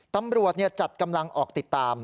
ตำรวจจัดกำลังออกติดตาม